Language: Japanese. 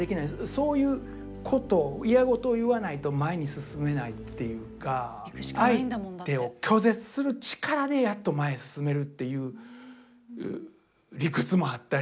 そういうこと嫌ごとを言わないと前に進めないっていうか相手を拒絶する力でやっと前へ進めるっていう理屈もあったり。